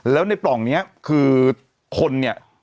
แล้วในปล่องนี้คือคนเนี่ย